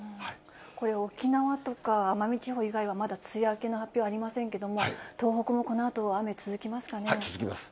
これ、沖縄とか奄美地方以外は、まだ梅雨明けの発表ありませんけれども、続きます。